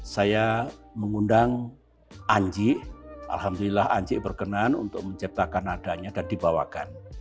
saya mengundang anji alhamdulillah anji berkenan untuk menciptakan nadanya dan dibawakan